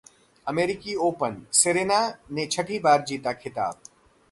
अमेरिकी open: Serena ने छठी बार जीता खिताब